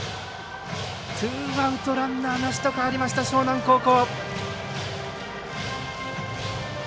ツーアウトランナーなしと変わりました樟南高校。